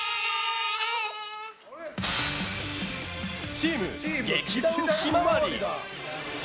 チーム劇団ひまわり！